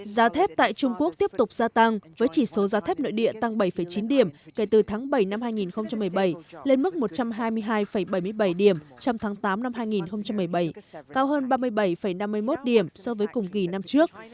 giá thép tại trung quốc tiếp tục gia tăng với chỉ số giá thép nội địa tăng bảy chín điểm kể từ tháng bảy năm hai nghìn một mươi bảy lên mức một trăm hai mươi hai bảy mươi bảy điểm trong tháng tám năm hai nghìn một mươi bảy cao hơn ba mươi bảy năm mươi một điểm so với cùng kỳ năm trước